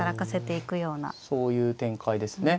そういう展開ですね。